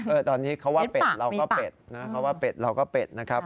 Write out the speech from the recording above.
ตอนนี้เขาว่าเป็ดเราก็เป็ดนะเขาว่าเป็ดเราก็เป็ดนะครับ